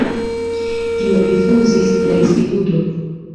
Tion rifuzis la instituto.